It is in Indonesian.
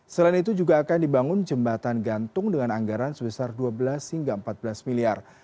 selain itu juga akan dibangun jembatan gantung dengan anggaran sebesar dua belas hingga empat belas miliar